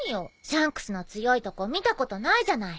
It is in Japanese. シャンクスの強いとこ見たことないじゃない。